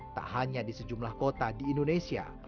tak hanya di sejumlah kota di indonesia